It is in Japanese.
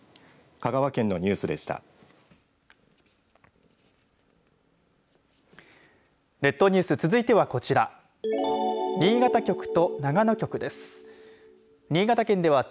香川県のニュースでした。